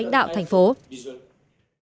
hãy đăng ký kênh để ủng hộ kênh của mình nhé